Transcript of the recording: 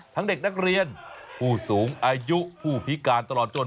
เด็กนักเรียนผู้สูงอายุผู้พิการตลอดจน